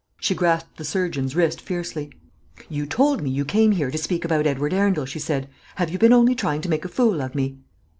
She grasped the surgeon's wrist fiercely. "You told me you came here to speak about Edward Arundel," she said. "Have you been only trying to make a fool of me."